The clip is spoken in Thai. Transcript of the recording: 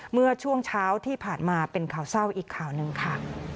เมื่อช่วงเช้าที่ผ่านมาเป็นข่าวเศร้าอีกข่าวหนึ่งค่ะ